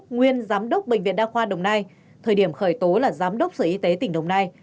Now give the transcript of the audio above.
nguyên giám đốc bệnh viện đa khoa đồng nai thời điểm khởi tố là giám đốc sở y tế tỉnh đồng nai